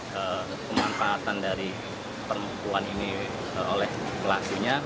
kemanfaatan dari perempuan ini oleh pelakunya